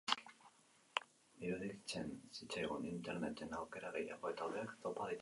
Iruditzen zitzaigun Interneten aukera gehiago eta hobeak topa daitezkeela.